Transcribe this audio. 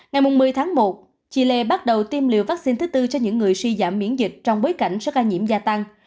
ngày một mươi tháng một chile bắt đầu tiêm liều vaccine thứ tư cho những người suy giảm miễn dịch trong bối cảnh số ca nhiễm gia tăng